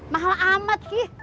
mahal amat sih